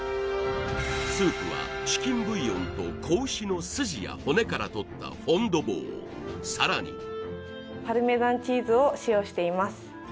スープはチキンブイヨンと子牛の筋や骨からとったフォンドボーさらにしています